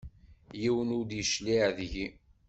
Yiwen ur d-yecliε deg-i.